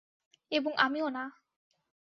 এবং আমিও না।